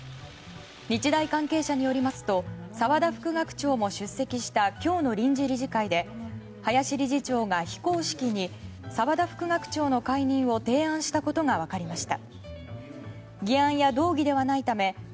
日大関係者によりますと澤田副学長も出席した今日の臨時理事会で林理事長が非公式に澤田副学長の解任を提案したことが分かりました。